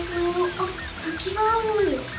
あったきがある！